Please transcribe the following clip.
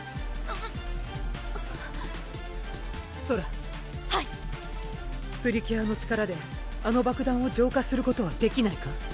うぅソラはいプリキュアの力であの爆弾を浄化することはできないか？